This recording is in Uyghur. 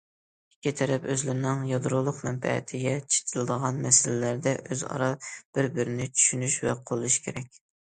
ئىككى تەرەپ ئۆزلىرىنىڭ يادرولۇق مەنپەئەتىگە چېتىلىدىغان مەسىلىلەردە ئۆزئارا بىر- بىرىنى چۈشىنىشى ۋە قوللىشى كېرەك.